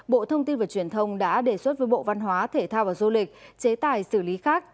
bộ thông tin và truyền thông đã đề xuất với bộ văn hóa thể thao và du lịch chế tài xử lý khác